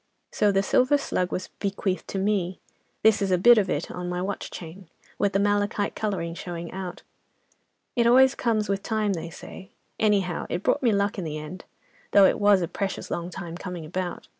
So the silver 'slug' was bequeathed to me, this is a bit of it on my watch chain, with the malachite colouring showing out. It always comes with time, they say. Anyhow it brought me luck in the end, though it was a precious long time coming about."